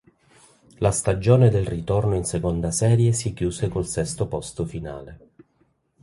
La stagione del ritorno in seconda serie si chiuse col sesto posto finale.